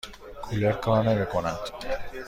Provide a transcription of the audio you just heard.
کولر کار نمی کند.